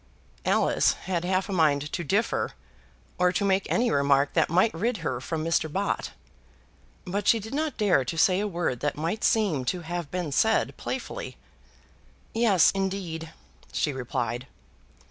Alice had half a mind to differ, or to make any remark that might rid her from Mr. Bott. But she did not dare to say a word that might seem to have been said playfully. "Yes, indeed," she replied.